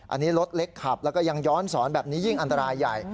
อันนี้รถเล็กขับแล้วก็ยังย้อนสอนแบบนี้ยิ่งอันตรายใหญ่